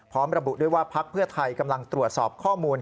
พร้อมระบุด้วยว่าพักเพื่อไทยกำลังตรวจสอบข้อมูล